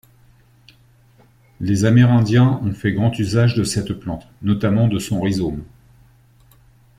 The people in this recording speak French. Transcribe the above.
Les Amérindiens ont fait grand usage de cette plante, notamment de son rhizome.